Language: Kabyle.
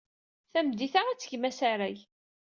Tameddit-a, ad d-tgem asarag.